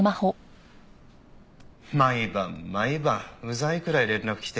毎晩毎晩うざいくらい連絡来て。